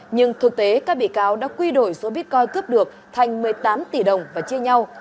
nhưng thực tế các bị cáo đã quy đổi số bitcoin cướp được thành một mươi tám tỷ đồng và chia nhau